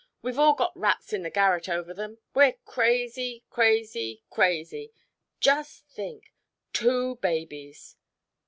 We've all got rats in the garret over them. We're crazy, crazy, crazy just think two babies."